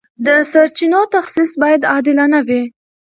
د سرچینو تخصیص باید عادلانه وي.